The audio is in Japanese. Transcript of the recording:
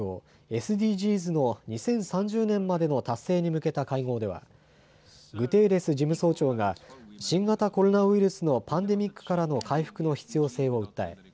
・ＳＤＧｓの２０３０年までの達成に向けた会合ではグテーレス事務総長が新型コロナウイルスのパンデミックからの回復の必要性を訴え